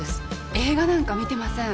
映画なんか見てません。